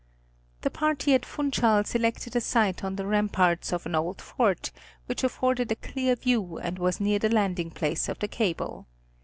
The party at Funchal selected a site on the ramparts of an old fort, which afforded a clear view and was near the landing place of the cable.